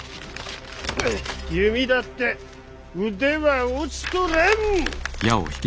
弓だって腕は落ちとらん！